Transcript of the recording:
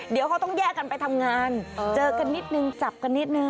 เดี๋ยวเขาต้องแยกกันไปทำงานเจอกันนิดนึงจับกันนิดนึง